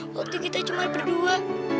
waktu kita cuma berdua